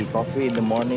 kopi di pagi